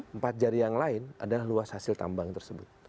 empat jari yang lain adalah luas hasil tambang tersebut